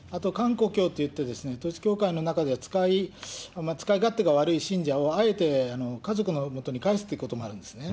あとといって、統一教会の中では使い勝手が悪い信者をあえて家族のもとに返すっていうこともあるんですね。